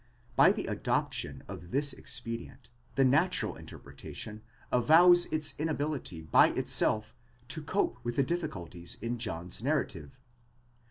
By the adoption of this expedient, the natural inter pretation avows its inability by itself to cope with the difficulties in John's narrative.